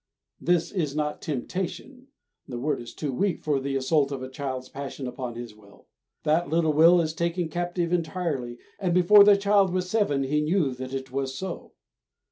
This is not temptation; the word is too weak for the assault of a child's passion upon his will. That little will is taken captive entirely, and before the child was seven he knew that it was so.